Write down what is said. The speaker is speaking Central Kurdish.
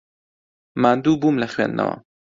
ماندوو بووم لە خوێندنەوە.